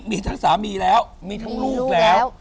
มีทั้งสามีแล้วมีทั้งลูกแล้ว